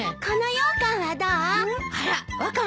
このようかんはどう？